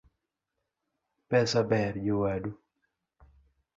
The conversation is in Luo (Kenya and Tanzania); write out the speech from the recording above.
Pesa ber jowadu.